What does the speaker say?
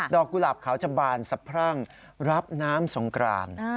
กุหลาบเขาจะบานสะพรั่งรับน้ำสงกราน